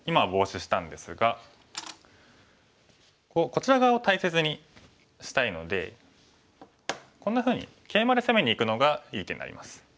こちら側を大切にしたいのでこんなふうにケイマで攻めにいくのがいい手になります。